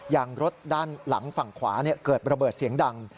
ยางรถด้านหลังฝั่งขวาเกิดระเบิดเสียงดัง